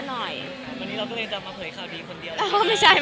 วันนี้เราก็เลยจะมาเผยข่าวดีคนเดียว